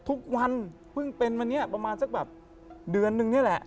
ทุกวันเพิ่งเป็นวันนี้ประมาณสักแบบเดือนนึงนี่แหละ